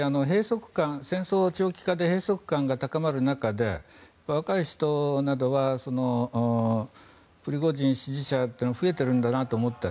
戦争の長期化で閉塞感が高まる中で若い人などはプリゴジン支持者が増えているんだなと思いました。